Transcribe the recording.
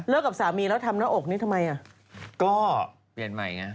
เลิกกับสามีแล้วทำหน้าอกนี้ทำไม